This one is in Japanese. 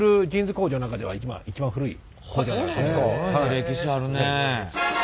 歴史あるねえ。